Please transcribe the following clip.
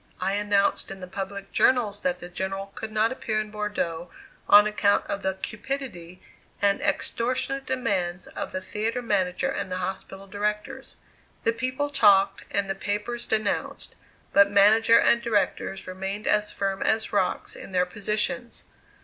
I announced in the public journals that the General could not appear in Bordeaux on account of the cupidity and extortionate demands of the theatre manager and the hospital directors. The people talked and the papers denounced; but manager and directors remained as firm as rocks in their positions.